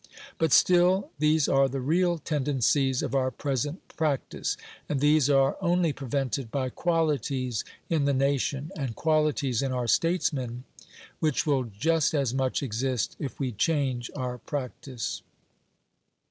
But still these are the real tendencies of our present practice, and these are only prevented by qualities in the nation and qualities in our statesmen, which will just as much exist if we change our practice.